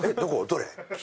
どれ？